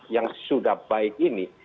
yang sudah baik ini